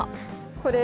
これ。